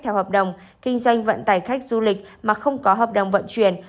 theo hợp đồng kinh doanh vận tải khách du lịch mà không có hợp đồng vận chuyển